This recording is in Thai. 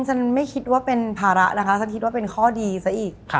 ฉันไม่คิดว่าเป็นภาระนะคะฉันคิดว่าเป็นข้อดีซะอีก